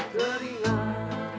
tiga dua satu mulai